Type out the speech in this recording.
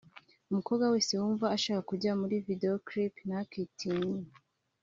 “Umukobwa wese wumva ashaka kujya muri video clip ntakitinye